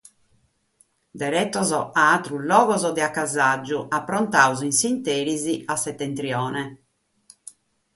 Deretos a àteros logos de acasàgiu, aprontados in s'ìnteri a setentrione.